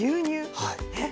えっ！